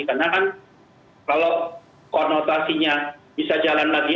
karena kan kalau konotasinya bisa jalan lagi